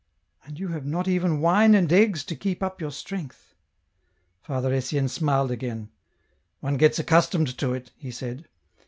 And you have not even wine and eggs to keep tip your strength !" Father Etienne smiled again. " One gets accustomed to it," he said.